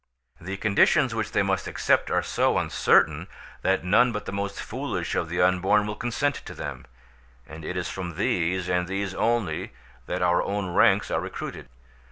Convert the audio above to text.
The conditions which they must accept are so uncertain, that none but the most foolish of the unborn will consent to them; and it is from these, and these only, that our own ranks are recruited.